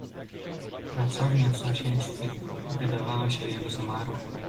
"Pracownia w sąsiedztwie wydawała się jak zamarła."